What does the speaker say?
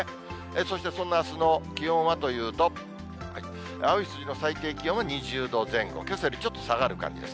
そしてそんなあすの気温はというと、青い数字の最低気温は２０度前後、けさよりちょっと下がる感じです。